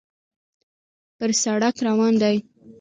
پر سړک روان دی.